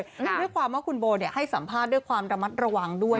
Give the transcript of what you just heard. ด้วยความว่าคุณโบให้สัมภาษณ์ด้วยความระมัดระวังด้วย